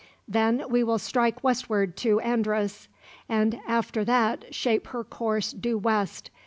Then we will strike westward to Andros, and after that shape her course due west.